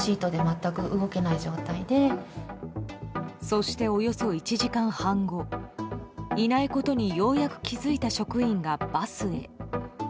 そして、およそ１時間半後いないことにようやく気付いた職員がバスへ。